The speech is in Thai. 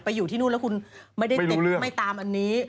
อยู่ที่นู่นแล้วคุณไม่ได้ติดไม่ตามอันนี้